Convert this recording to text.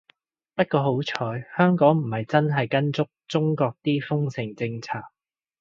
不過好彩香港唔係真係跟足中國啲封城政策